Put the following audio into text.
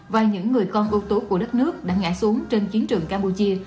và những người con ưu tú của đất nước đã ngã xuống trên chiến trường campuchia